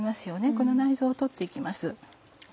この内臓を取って行きます。